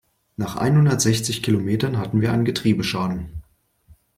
Nach einhundertsechzig Kilometern hatten wir einen Getriebeschaden.